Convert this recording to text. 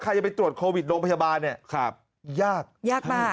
ใครจะไปตรวจโควิดโรงพยาบาลยาก